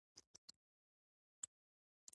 لاسونه یې پر زنګانه باندې را غونډ کړل، اوه.